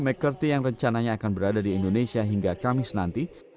mccarty yang rencananya akan berada di indonesia hingga kamis nanti